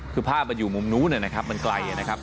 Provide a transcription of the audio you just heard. คือภาพมันอยู่มุมนู้นนะครับมันไกลนะครับ